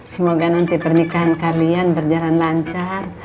semoga nanti pernikahan kalian berjalan lancar